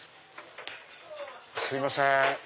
すいません